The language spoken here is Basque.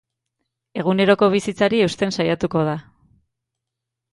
Eguneroko bizitzari eusten saiatuko da.